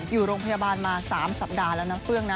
อยู่โรงพยาบาลมา๓สัปดาห์แล้วนะเฟื้องนะ